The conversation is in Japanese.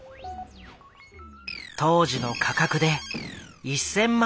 当時の価格で１，０００万